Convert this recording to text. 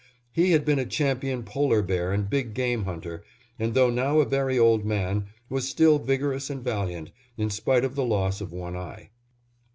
He had been a champion polar bear and big game hunter, and though now a very old man, was still vigorous and valiant, in spite of the loss of one eye.